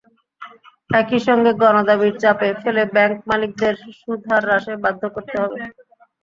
একই সঙ্গে গণদাবির চাপে ফেলে ব্যাংক মালিকদের সুদহার হ্রাসে বাধ্য করতে হবে।